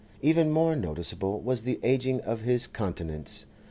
Even more noticeable was the ageing of his countenance.